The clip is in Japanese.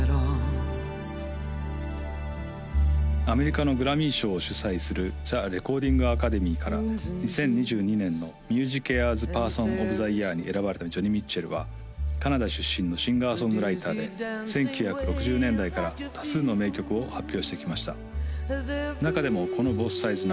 アメリカのグラミー賞を主催するザ・レコーディング・アカデミーから２０２２年のミュージケアーズ・パーソン・オブ・ザ・イヤーに選ばれたジョニ・ミッチェルはカナダ出身のシンガー・ソングライターで１９６０年代から多数の名曲を発表してきました中でもこの「ＢｏｔｈＳｉｄｅｓＮｏｗ」